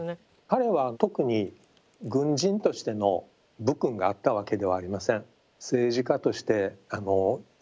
彼は特に軍人としての武勲があったわけではありません。